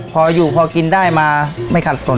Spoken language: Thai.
พออยู่พอกินได้มาไม่ขัดสน